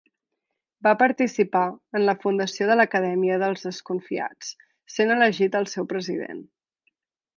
Va participar en la fundació de l'Acadèmia dels Desconfiats, sent elegit el seu president.